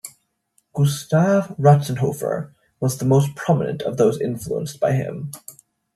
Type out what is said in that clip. Gustav Ratzenhofer was the most prominent of those influenced by him.